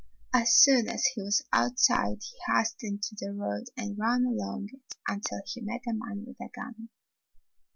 As soon as he was outside he hastened to the road and ran along it until he met a man with a gun.